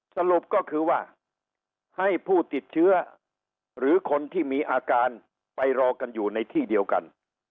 สรุปก็คือว่าให้ผู้ติดเชื้อหรือคนที่มีอาการไปรอกันอยู่ในที่เดียวกัน